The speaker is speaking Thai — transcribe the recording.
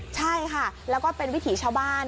ใช่ค่ะแล้วก็เป็นวิถีชาวบ้าน